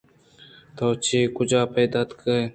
* تو چَہ کُج ءَ پیداگ ءَ ئے؟